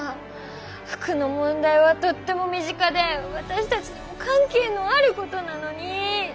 服の問題はとっても身近でわたしたちにもかんけいのあることなのに！